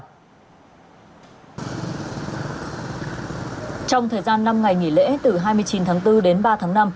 trong thời gian năm ngày nghỉ lễ từ hai mươi chín tháng bốn đến ba tháng năm